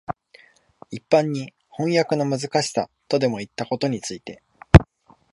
一般に飜訳のむずかしさとでもいったことについて、